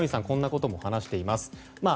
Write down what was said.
こんなことも話しています。